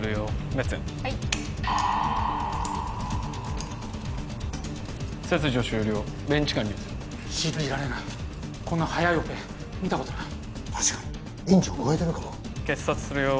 メッツェン・はい切除終了弁置換に移る信じられないこんなはやいオペ見たことない・確かに院長を超えてるかも結紮するよ・